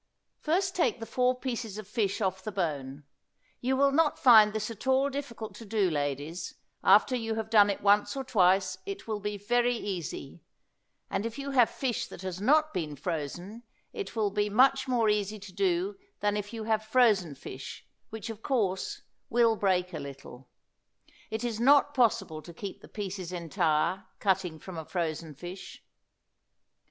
First take the four pieces of fish off the bone; you will not find this at all difficult to do, ladies; after you have done it once or twice it will be very easy, and if you have fish that has not been frozen it will be much more easy to do than if you have frozen fish, which, of course, will break a little. It is not possible to keep the pieces entire, cutting from a frozen fish.